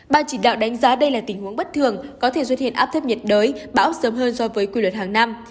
ban chỉ đạo đánh giá đây là tình huống bất thường có thể xuất hiện áp thấp nhiệt đới bão sớm hơn so với quy luật hàng năm